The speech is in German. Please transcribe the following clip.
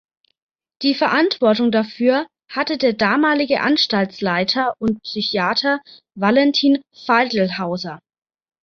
Die Verantwortung dafür hatte der damalige Anstaltsleiter und Psychiater Valentin Faltlhauser.